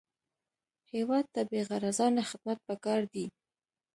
هېواد ته بېغرضانه خدمت پکار دی